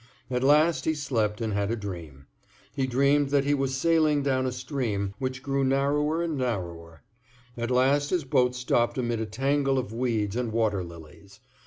At last he slept and had a dream. He dreamed that he was sailing down a stream which grew narrower and narrower. At last his boat stopped amid a tangle of weeds and water lilies.